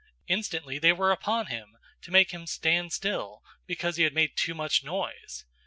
Instantly they were upon him to make him stand still because he made too much noise.